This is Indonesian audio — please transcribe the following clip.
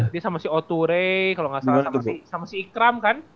dia sama si othure kalo ga salah sama si ikram kan